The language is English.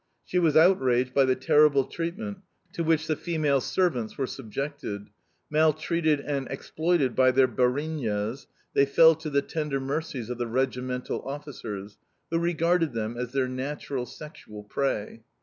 She was outraged by the terrible treatment to which the female servants were subjected: maltreated and exploited by their BARINYAS, they fell to the tender mercies of the regimental officers, who regarded them as their natural sexual prey.